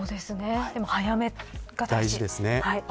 でも早めが大事ですね。